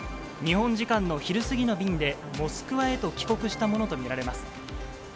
日本時間の昼過ぎの便で、モスクワへと帰国したものと見られます。